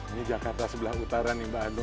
ini jakarta sebelah utara nih mbak ade